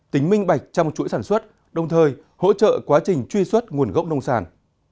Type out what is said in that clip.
tính minh bạch trong chuỗi sản xuất đồng thời hỗ trợ quá trình truy xuất nguồn gốc nông sản